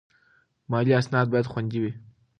مالي اسناد باید خوندي وي.